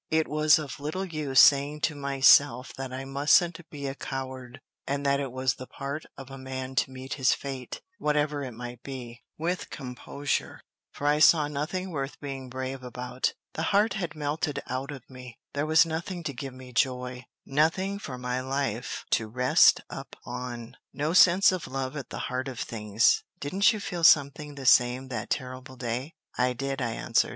It was of little use saying to myself that I mustn't be a coward, and that it was the part of a man to meet his fate, whatever it might be, with composure; for I saw nothing worth being brave about: the heart had melted out of me; there was nothing to give me joy, nothing for my life to rest up on, no sense of love at the heart of things. Didn't you feel something the same that terrible day?" "I did," I answered.